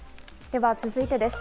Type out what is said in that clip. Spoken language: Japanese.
では続いてです。